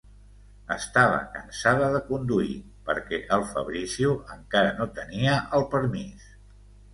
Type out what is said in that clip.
Estava cansada de conduir, perquè el Fabrizio encara no tenia el permís.